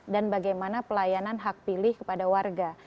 dan bagaimana pelayanan hak pilih kepada warga